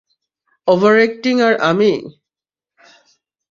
Overacting আর আমি?